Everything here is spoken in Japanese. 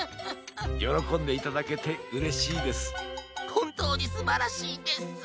ほんとうにすばらしいです。